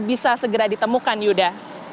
bisa segera ditemukan yuda